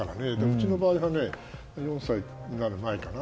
うちの場合は４歳になる前かな